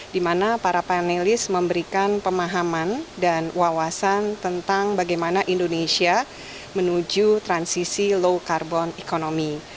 di mana para panelis memberikan pemahaman dan wawasan tentang bagaimana indonesia menuju transisi low carbon economy